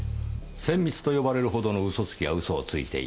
せんみつと呼ばれるほどの嘘つきが嘘をついていない。